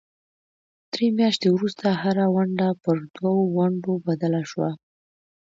درې میاشتې وروسته هره ونډه پر دوو ونډو بدله شوه.